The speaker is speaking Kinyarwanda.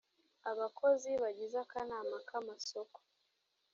abakozi bagize akanama kamasoko